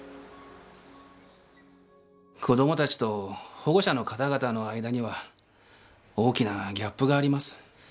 子どもたちと保護者の方々の間には大きなギャップがあります。